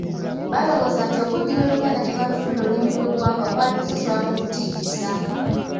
Balowooza nti okuddira Oluganda ne balufuula Olulimi lw'eggwanga kwali kusosola n'okutijjisa.